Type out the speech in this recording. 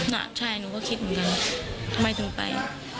น่ะใช่หนูก็คิดเหมือนกันทำไมถึงไป